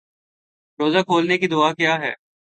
روزہ کھولنے کی دعا کیا ہے